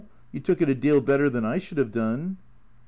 You took it a deal better than I should have done."